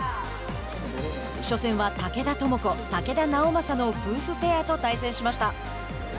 初戦は竹田智子、竹田直将の夫婦ペアと対戦しました。